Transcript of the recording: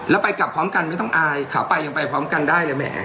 แล้วไปกลับพร้อมกันไม่ต้องอายขาไปยังไปพร้อมกันได้เลยแหม